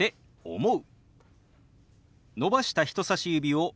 「思う」。